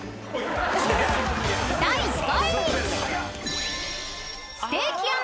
［第５位］